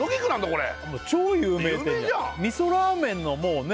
これ超有名店じゃん有名じゃん味噌ラーメンのもうね